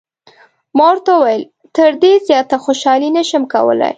ما ورته وویل: تر دې زیاته خوشحالي نه شم کولای.